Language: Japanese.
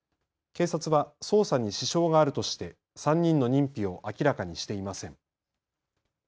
警察は捜査に支障があるとして３人の認否を明らかにしていません。